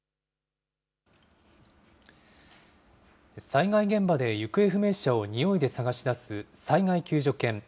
災害現場で行方不明者をにおいで捜し出す、災害救助犬。